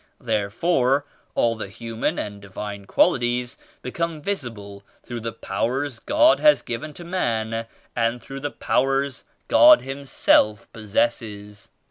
There fore all the human and divine qualities become visible through the powers God has given to man and through the Powers God Himseli possesses.